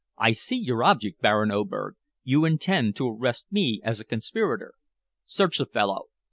"I see your object, Baron Oberg! You intend to arrest me as a conspirator!" "Search the fellow.